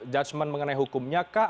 judgement mengenai hukumnya kah